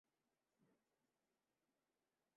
مرین٘دا کتا ݙن٘د کڈھین٘دا رہن٘دے